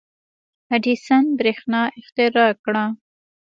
• اډیسن برېښنا اختراع کړه.